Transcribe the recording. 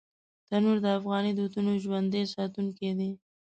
تنور د افغاني دودونو ژوندي ساتونکی دی